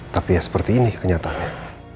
tapi ya seperti ini kenyataannya